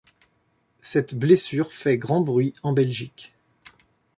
Cette blessure fait grand bruit en Belgique.